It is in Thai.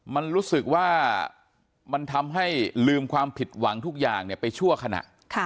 มันรู้สึกว่ามันทำให้ลืมความผิดหวังทุกอย่างไปชั่วขณะ